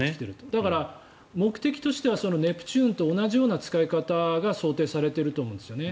だから目的としてはネプチューンと同じような使い方が想定されていると思うんですね。